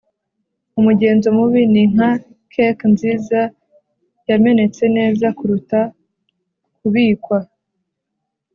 umugenzo mubi ni nka cake nziza, yamenetse neza kuruta kubikwa